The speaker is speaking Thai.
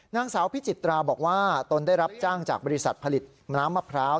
นางสาวพิจิตราบอกว่าตนได้รับจ้างจากบริษัทผลิตน้ำมะพร้าว